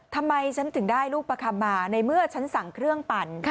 ทำไมฉันถึงได้ลูกประคำมาในเมื่อฉันสั่งเครื่องปั่น